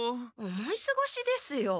思いすごしですよ。